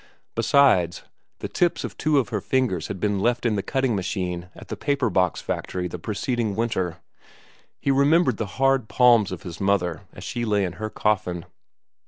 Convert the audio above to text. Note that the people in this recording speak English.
Besides, the tips of two of her fingers had been left in the cutting machine at the paper box factory the preceding winter. He remembered the hard palms of his mother as she lay in her coffin.